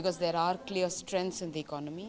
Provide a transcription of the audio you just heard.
karena ada kekuatan yang jelas di ekonomi